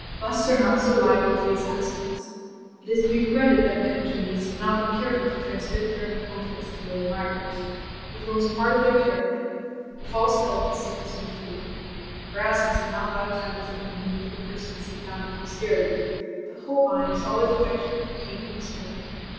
Busts are not so liable to these accidents. It is to be regretted that men of genius have not been careful to transmit their own portraits to their admirers: it forms a part of their character; a false delicacy has interfered. Erasmus did not like to have his own diminutive person sent down to posterity, but Holbein was always affectionately painting his friend.